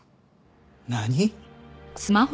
何！？